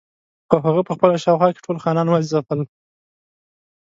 خو هغه په خپله شاوخوا کې ټول خانان وځپل.